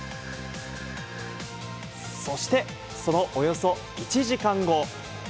そして、そのおよそ１時間後。